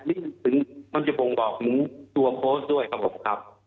รีบถึงมันจะปวงบอกตัวโฟสด้วยครับครับ